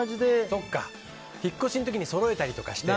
そうか引っ越しの時にそろえたりして。